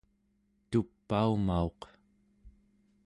tupaumauq